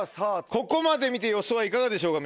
ここまで見て予想はいかがでしょうか？